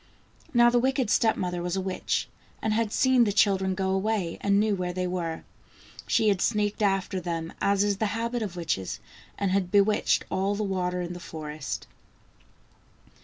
Now the wicked step mother was a witch, and had seen the children go away, and knew where they were. She had sneaked after them, as is the habit of witches, and had bewitched all the water in the forest.